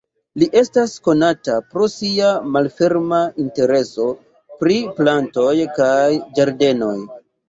Li estas konata pro sia malferma intereso pri plantoj kaj ĝardenoj.